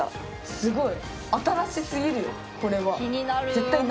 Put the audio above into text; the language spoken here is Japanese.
すごい。